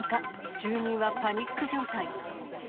住人はパニック状態。